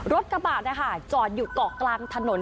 รถกระบะนะคะจอดอยู่เกาะกลางถนน